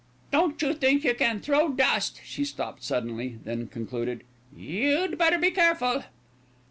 "Don't you think you can throw dust " She stopped suddenly, then concluded, "You'd better be careful."